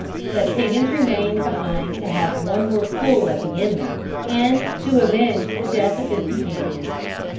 But Higgins remained behind to have 'one more pull at the enemy,' and to avenge the death of his companions.